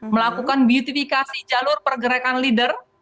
melakukan beautifikasi jalur pergerakan leader